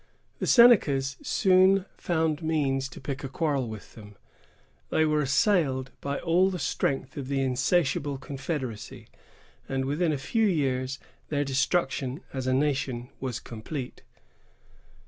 The Senecas soon found means to pick a quarrel with them; they were assailed by all the strength of the insatiable confederacy, and within a few years their destruction as a nation was complete.